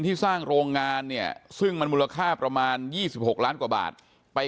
ที่สร้างโรงงานเนี่ยซึ่งมันมูลค่าประมาณ๒๖ล้านกว่าบาทไป